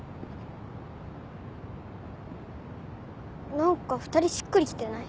何か２人しっくりきてない？